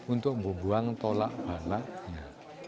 untuk membuang tolak balaknya